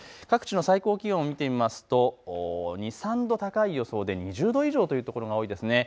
各地の最高気温を見てみますと２、３度高い予想で２０度以上というところが多いです。